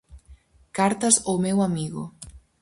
Cartas ao meu amigo.